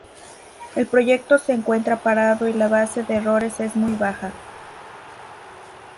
El proyecto se encuentra parado y la base de errores es muy baja.